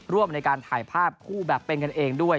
ร่วมในการถ่ายภาพคู่แบบเป็นกันเองด้วย